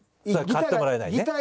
それ買ってもらえないね。